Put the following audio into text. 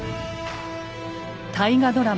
大河ドラマ